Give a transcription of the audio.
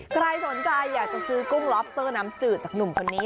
ใครสนใจอยากจะซื้อกุ้งลอบเซอร์น้ำจืดจากหนุ่มคนนี้